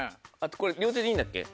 これ両手でいいんだっけ？